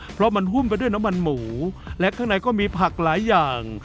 เพราะมันหุ้มไปด้วยน้ำมันหมูและข้างในก็มีผักหลายอย่าง